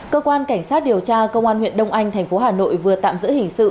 cơ quan cảnh sát điều tra công an huyện đông anh thành phố hà nội vừa tạm giữ hình sự